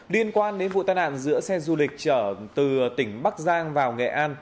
liên quan đến vụ tai nạn giữa xe du lịch trở từ tỉnh bắc giang vào nghệ an